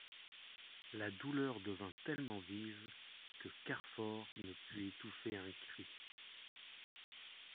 La douleur devint tellement vive que Carfor ne put étouffer un cri.